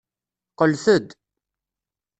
Qqlet-d.